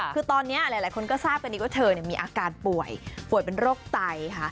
คือตอนนี้หลายคนก็ทราบกันดีว่าเธอมีอาการป่วยป่วยเป็นโรคไตค่ะ